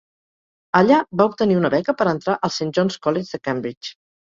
Allà, va obtenir una beca per entrar al Saint John's College de Cambridge.